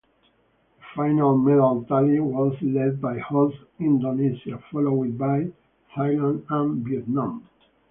The final medal tally was led by host Indonesia, followed by Thailand and Vietnam.